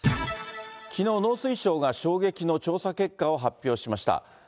きのう、農水省が衝撃の調査結果を発表しました。